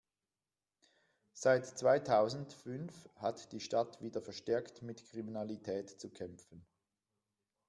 Seit zweitausendfünf hat die Stadt wieder verstärkt mit Kriminalität zu kämpfen.